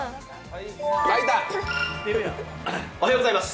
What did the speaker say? おはようございます。